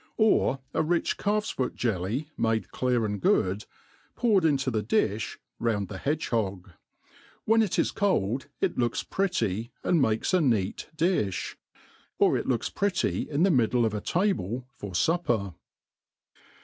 Or a rich calf's foot jelly made clear and good^ poured into the difb round the hedge hog ; when it is cold^ ic looks prett}% and makes a neat diOi ; or it looks pretty in the ' middle of a table for .fupper.